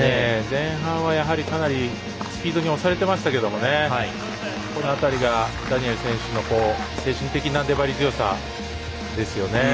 前半はかなりスピードに押されてましたけどもこの辺りがダニエル選手の精神的な粘り強さですよね。